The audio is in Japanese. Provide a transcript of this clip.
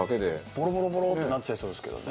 ボロボロボロってなっちゃいそうですけどね。